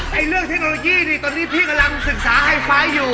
เรื่องเทคโนโลยีนี่ตอนนี้พี่กำลังศึกษาไฮไฟล์อยู่